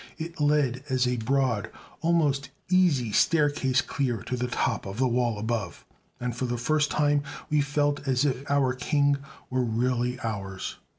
It led as a broad, almost easy, staircase clear to the top of the wall above, and for the first time we felt as if our king were really ours.